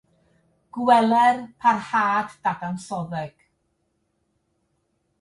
“Gweler” parhad dadansoddeg.